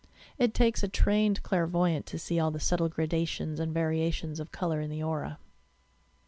It takes a trained clairvoyant to see all the subtle gradations and variations of colour in the aura.